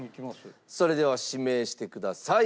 それでは指名してください。